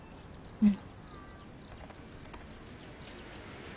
うん。